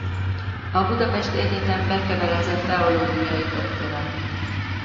A budapesti egyetem bekebelezett teológiai doktora.